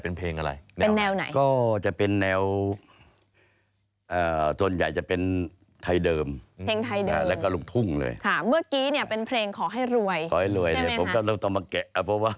งานฉลองกรุงเทพนะครับ